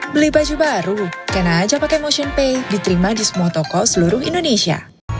beli baju baru kena aja pake motionpay diterima di semua toko seluruh indonesia